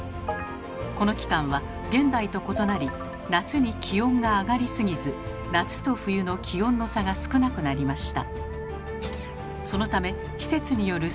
この期間は現代と異なり夏に気温が上がりすぎず夏と冬の気温の差が少なくなりました。